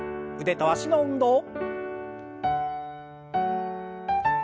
腕と脚の運動。